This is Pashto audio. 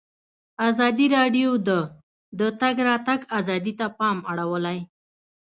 ازادي راډیو د د تګ راتګ ازادي ته پام اړولی.